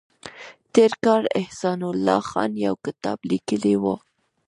تېر کال احسان الله خان یو کتاب لیکلی و